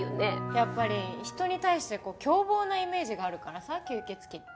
やっぱり人に対して凶暴なイメージがあるからさ吸血鬼って。